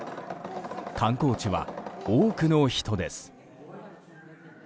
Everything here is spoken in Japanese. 観光地は多くの人です。